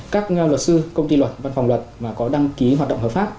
các luật sư công ty luật văn phòng luật mà có đăng ký hoạt động hợp pháp